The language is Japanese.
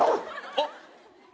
・あっ。